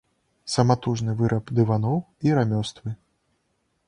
Саматужны выраб дываноў і рамёствы.